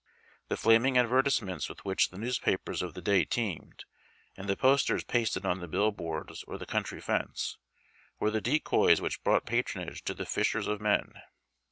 The flaming advertisements with which the newspapers of the day teemed, and the posters j^asted on the bill boards or the country fence, were the decoys which brought patronage to these fishers of men.